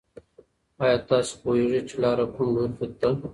ایا تاسې پوهېږئ چې لاره کوم لوري ته ده؟